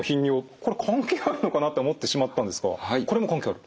これは関係あるのかなと思ってしまったんですがこれも関係ある？